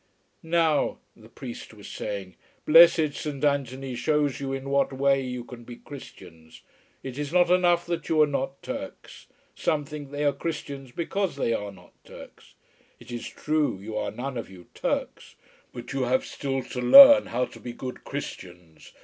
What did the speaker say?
"Now," the priest was saying, "blessed Saint Anthony shows you in what way you can be Christians. It is not enough that you are not Turks. Some think they are Christians because they are not Turks. It is true you are none of you Turks. But you have still to learn how to be good Christians.